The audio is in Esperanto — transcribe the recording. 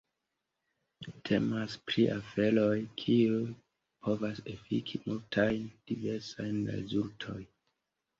Temas pri aferoj, kiuj povas efiki multajn diversajn rezultojn.